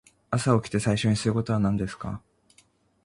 朝起きて最初にすることは何ですか。